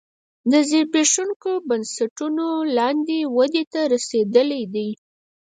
د زبېښونکو بنسټونو لاندې ودې ته رسېدلی دی